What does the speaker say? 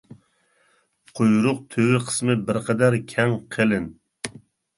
قۇيرۇق تۈۋى قىسمى بىر قەدەر كەڭ قېلىن.